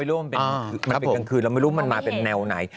ร่วมมันเป็นกลางคืนเราไม่รู้มันมาเป็นแนวไหน